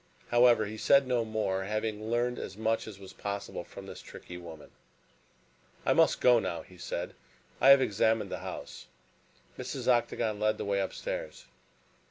However, he said no more, having learned as much as was possible from this tricky woman. "I must go now," he said, "I have examined the house." Mrs. Octagon led the way upstairs.